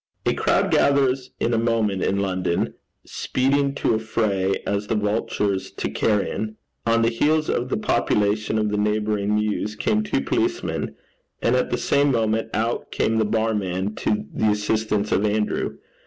A crowd gathers in a moment in London, speeding to a fray as the vultures to carrion. On the heels of the population of the neighbouring mews came two policemen, and at the same moment out came the barman to the assistance of Andrew.